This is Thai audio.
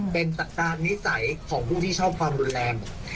เป็นต่างนิสัยของผู้ที่ชอบความโรงแรม